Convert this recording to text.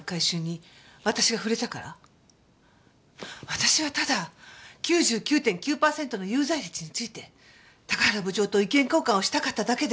私はただ９９．９パーセントの有罪率について高原部長と意見交換をしたかっただけで。